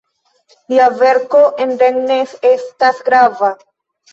Lia verko en Rennes estas grava.